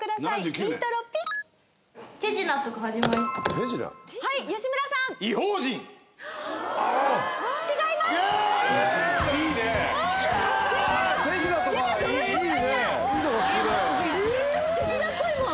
イントロ手品っぽいもん。